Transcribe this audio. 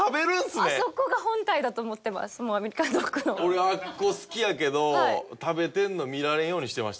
俺あそこ好きやけど食べてるの見られんようにしてました。